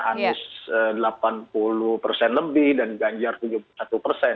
anies delapan puluh persen lebih dan ganjar tujuh puluh satu persen